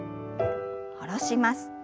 下ろします。